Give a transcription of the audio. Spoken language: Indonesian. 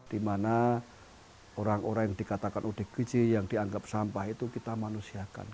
dimana orang orang yang dikatakan odgj yang dianggap sampah itu kita manusiakan